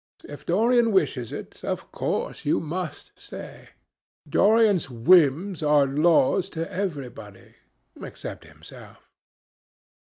"If Dorian wishes it, of course you must stay. Dorian's whims are laws to everybody, except himself."